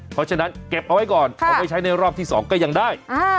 เพราะฉะนั้นเก็บเอาไว้ก่อนเอาไว้ใช้ในรอบที่๒ก็ยังได้